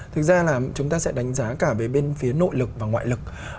thực ra là chúng ta sẽ đánh giá cả về bên phía nội lực và ngoại lực